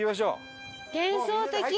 谷：幻想的。